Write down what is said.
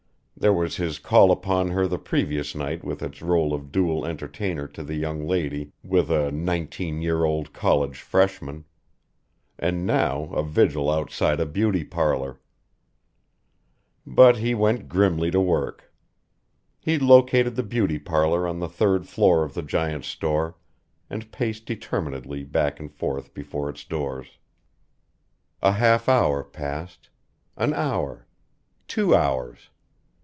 There was his call upon her the previous night with its role of dual entertainer to the young lady with a nineteen year old college freshman. And now a vigil outside a beauty parlor. But he went grimly to work. He located the beauty parlor on the third floor of the giant store, and paced determinedly back and forth before its doors. A half hour passed; an hour two hours.